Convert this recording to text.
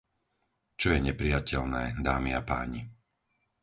Čo je neprijateľné, dámy a páni...